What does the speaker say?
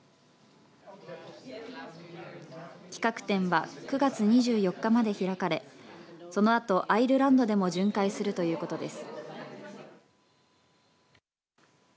企画展は９月２４日まで開かれそのあと、アイルランドでも巡回するということです。